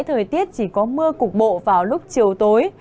thời tiết chỉ có mưa cục bộ vào lúc chiều tối